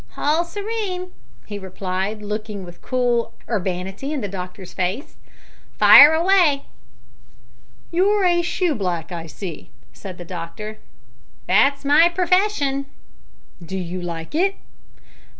"Hall serene," he replied, looking with cool urbanity in the doctor's face, "fire away!" "You're a shoeblack, I see," said the doctor. "That's my purfession." "Do you like it?"